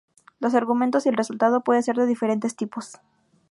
Los argumentos y el resultado puede ser de diferentes tipos.